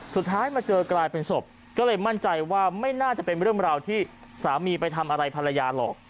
สุดท้ายมาเจอกลายเป็นศพก็เลยมั่นใจว่าไม่น่าจะเป็นเรื่องราวที่สามีไปทำอะไรภรรยาหรอก